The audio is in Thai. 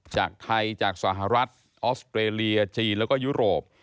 จากไทยจากสหรัฐออสเตรเลียจีนแล้วก็ยุโรป